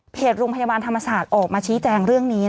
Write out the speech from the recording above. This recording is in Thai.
โรงพยาบาลธรรมศาสตร์ออกมาชี้แจงเรื่องนี้